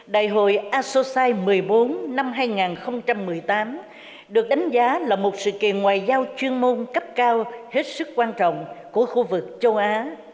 đại hội asosai một mươi bốn năm hai nghìn một mươi tám được đánh giá là một sự kiện ngoại giao chuyên môn cấp cao hết sức quan trọng của khu vực châu á